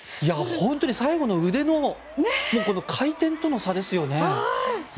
最後の腕の回転の差ですよね。